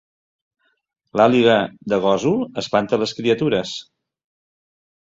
L'àliga de Gósol espanta les criatures